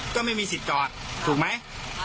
ก็ไม่มีสิทธิ์จอดถูกไหม